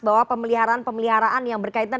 bahwa pemeliharaan pemeliharaan yang berkaitan